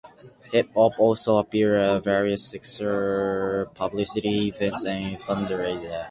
Hip Hop also appeared at various Sixers publicity events and fundraisers.